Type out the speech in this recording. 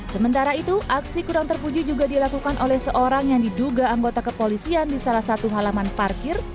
sementara itu aksi kurang terpuji juga dilakukan oleh seorang yang diduga anggota kepolisian di salah satu halaman parkir